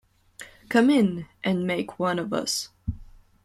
Come in, and make one of us.